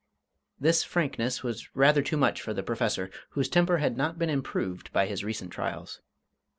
This frankness was rather too much for the Professor, whose temper had not been improved by his recent trials.